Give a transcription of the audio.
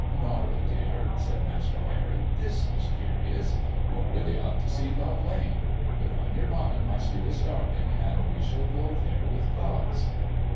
' Norah, dear,' said Master Harry, ' this is curious. We really ought to see Love lane. Put on your bonnet, my sweetest darling, and we will go there with Cobbs.'